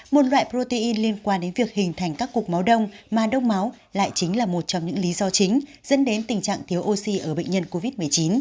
một loại protein liên quan đến việc hình thành các cục máu đông mà đông máu lại chính là một trong những lý do chính dẫn đến tình trạng thiếu oxy ở bệnh nhân covid một mươi chín